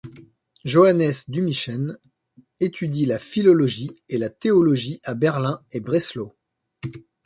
Johannes Dümichen étudie la philologie et la théologie à Berlin et Breslau.